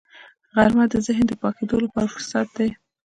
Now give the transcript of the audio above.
غرمه د ذهن د پاکېدو لپاره فرصت دی